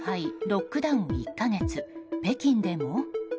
ロックダウン１か月北京でも？